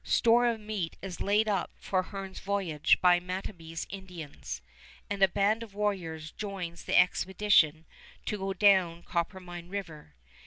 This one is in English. Store of meat is laid up for Hearne's voyage by Matonabbee's Indians; and a band of warriors joins the expedition to go down Coppermine River.